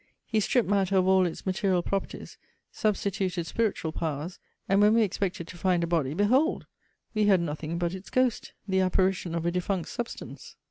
He stripped matter of all its material properties; substituted spiritual powers; and when we expected to find a body, behold! we had nothing but its ghost the apparition of a defunct substance!